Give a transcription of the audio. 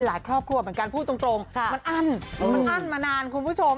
ครอบครัวเหมือนกันพูดตรงมันอั้นมันอั้นมานานคุณผู้ชม